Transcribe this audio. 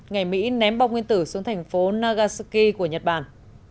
ngày mỹ ném bom nguyên tử xuống thành phố nagasaki của nhật bản